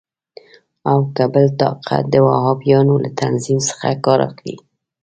او که بل طاقت د وهابیانو له تنظیم څخه کار اخلي.